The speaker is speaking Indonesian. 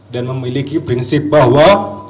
dan memiliki prinsip bahwa